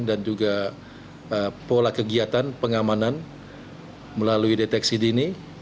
dan juga pola kegiatan pengamanan melalui deteksi dini